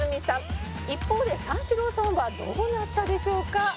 「一方で三四郎さんはどうなったでしょうか？」